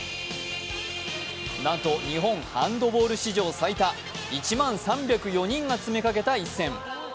なんと日本ハンドボール史上最多１万３０４人が詰めかけた一戦。